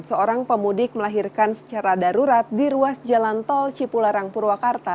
seorang pemudik melahirkan secara darurat di ruas jalan tol cipularang purwakarta